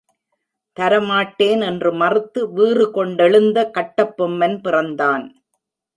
தரமாட்டேன் என்று மறுத்து வீறு கொண்டெழுந்த கட்டபொம்மன் பிறந்தான்!